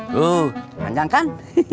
loh panjang kan